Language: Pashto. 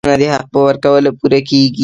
هڅونه د حق په ورکولو پوره کېږي.